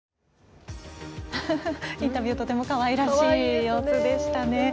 インタビューとてもかわいらしい様子でしたね。